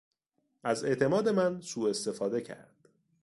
از اعتماد من سو استفاده کرد.